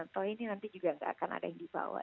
toh ini nanti juga nggak akan ada yang dibawa